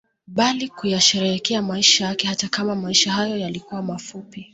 Bali kuyasherehekea maisha yake hata kama maisha hayo yalikuwa mafupi